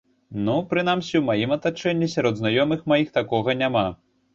Ну, прынамсі, у маім атачэнні, сярод знаёмых маіх такога няма.